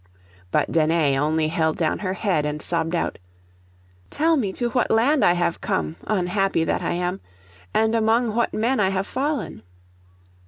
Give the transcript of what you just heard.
But Danae only held down her head, and sobbed out— 'Tell me to what land I have come, unhappy that I am; and among what men I have fallen!